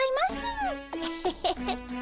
エヘヘヘ。